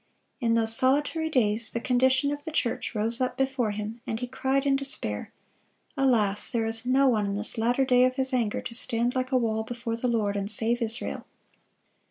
In those solitary days, the condition of the church rose up before him, and he cried in despair, "Alas! there is no one in this latter day of His anger, to stand like a wall before the Lord, and save Israel!"